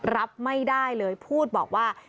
รับไม่ได้เลยพูดบอกว่า